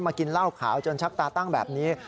มากินลาบขาวจนชักตาตั้งแบบนี้